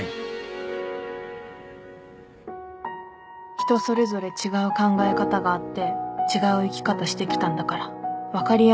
人それぞれ違う考え方があって違う生き方してきたんだから分かり合えないことは絶対ある。